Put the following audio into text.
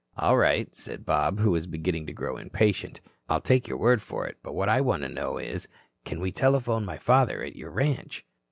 "All right," said Bob, who was beginning to grow impatient, "I'll take your word for it. But what I want to know is, can we telephone my father at your ranch?"